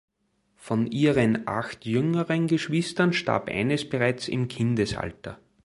Von ihren acht jüngeren Geschwistern starb eines bereits im Kindesalter.